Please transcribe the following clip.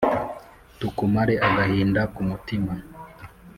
Tukumare agahinda ku mutima